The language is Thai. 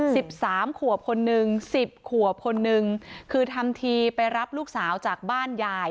สิบสามขวบคนนึงสิบขวบคนนึงคือทำทีไปรับลูกสาวจากบ้านยาย